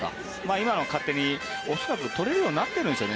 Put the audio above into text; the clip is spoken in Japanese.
今のは勝手に恐らく取れるようになってるんでしょうね。